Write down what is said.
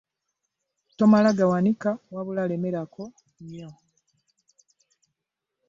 Tomala gawanika wabula lemerako nnyo.